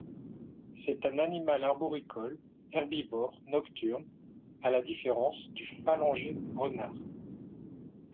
C'est un animal arboricole, herbivore, nocturne, à la différence du Phalanger-renard.